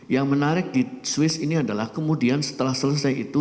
yang menarik di swiss ini adalah kemudian setelah selesai itu